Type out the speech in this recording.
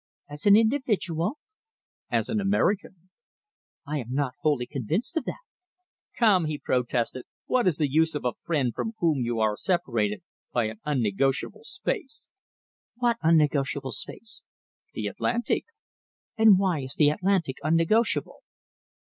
"As an individual?" "As an American." "I am not wholly convinced of that." "Come," he protested, "what is the use of a friend from whom you are separated by an unnegotiable space?" "What unnegotiable space?" "The Atlantic." "And why is the Atlantic unnegotiable?"